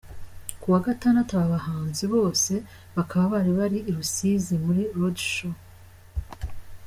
Kuwa Gatandatu aba bahanzi bose bakaba bari bari I Rusizi muri Road show.